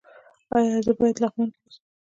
ایا زه باید په لغمان کې اوسم؟